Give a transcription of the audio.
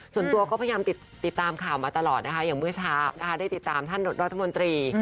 ส่วนตัวก็พยายามติดตามข่าวมาตลอดนะคะอย่างเมื่อเช้านะคะได้ติดตามท่านรัฐมนตรี